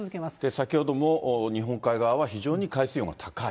先ほども日本海側は非常に海水温が高い。